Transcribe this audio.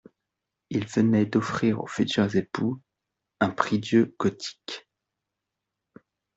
Il venait d'offrir aux futurs époux un prie-Dieu gothique.